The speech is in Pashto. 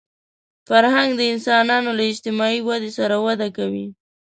فرهنګ د انسانانو له اجتماعي ودې سره وده کوي